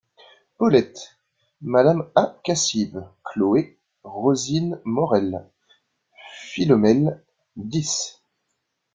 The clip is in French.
Paulette : Mmes A. Cassive Chloé : Rosine Maurel Philomèle : dix…